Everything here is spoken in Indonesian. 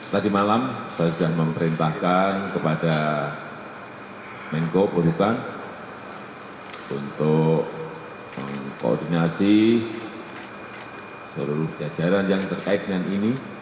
tadi malam saya sudah memerintahkan kepada menko polhukam untuk mengkoordinasi seluruh jajaran yang terkait dengan ini